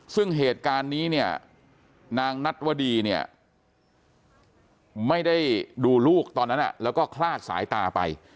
ซึ่งเหตุการณ์นี้เนี่ยนางนัทวดีเนี่ยไม่ได้ดูลูกตอนนั้นแล้วก็คลาดสายตาไป